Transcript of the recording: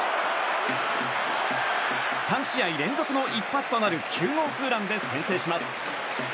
３試合連続の一発となる９号ツーランで先制します。